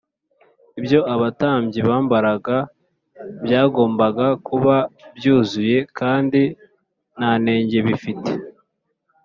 ibyo abatambyi bambaraga byagombaga kuba byuzuye kandi nta nenge bifite